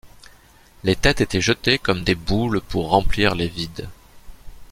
Les têtes étaient jetées comme des boules pour remplir les vides.